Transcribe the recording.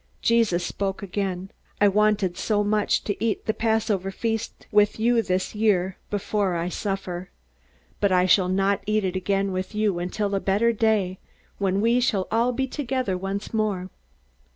Jesus spoke again: "I wanted so much to eat the Passover feast with you this year, before I suffer. But I shall not eat it again with you until a better day, when we shall all be together once more."